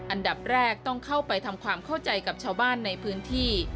อันดับแรกต้องเข้าไปทำความเข้าใจกับชาวบ้านในพื้นที่